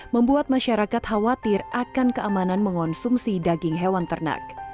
membuat masyarakat khawatir akan keamanan mengonsumsi daging hewan ternak